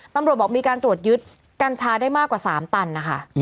ตำรวจบอกมีการตรวจยึดกัญชาได้มากกว่า๓ตันนะคะ